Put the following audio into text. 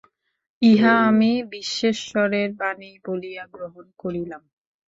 ইহা আমি বিশ্বেশ্বরের বাণী বলিয়া গ্রহণ করিলাম।